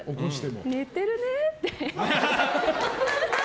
寝てるねって。